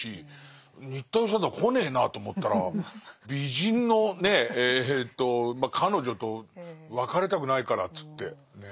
新田義貞来ねえなと思ったら美人のねえと彼女と別れたくないからっつってね。